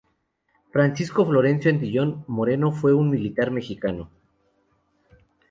Francisco Florencio Antillón Moreno fue un militar mexicano.